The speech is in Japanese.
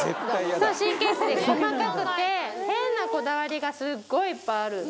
そう神経質で細かくて変なこだわりがすっごいいっぱいあるんで。